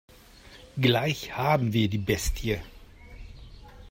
Gleich haben wir die Bestie.